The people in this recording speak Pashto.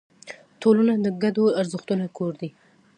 ټولنه د ګډو ارزښتونو کور دی.